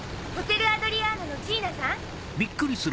ホテル・アドリアーノのジーナさん？